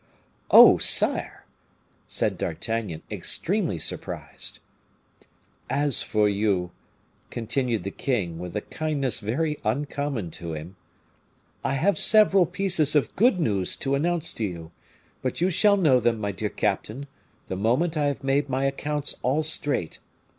"Oh, sire!" said D'Artagnan, extremely surprised. "As for you," continued the king, with a kindness very uncommon to him, "I have several pieces of good news to announce to you; but you shall know them, my dear captain, the moment I have made my accounts all straight.